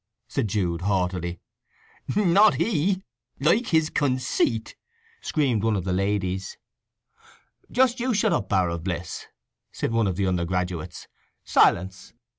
said Jude haughtily. "Not he! Like his conceit!" screamed one of the ladies. "Just you shut up, Bower o' Bliss!" said one of the undergraduates. "Silence!"